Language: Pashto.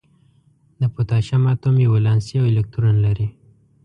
د پوتاشیم اتوم یو ولانسي الکترون لري.